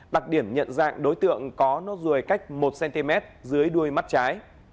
đặc điểm nhận dạng đối tượng có nốt ruồi cách một cm dưới đuôi mắt trái